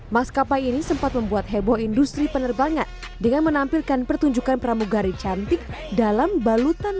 maskapai ini sempat membuat heboh industri penerbangan dengan menampilkan pertunjukan pramugari cantik dalam balutan